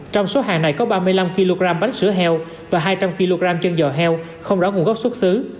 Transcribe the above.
trong số hàng này có ba mươi năm kg bánh sữa heo và hai trăm linh kg chân giò heo không rõ nguồn gốc xuất xứ